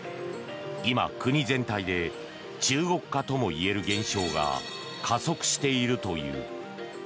今、国全体で中国化ともいえる現象が加速しているという。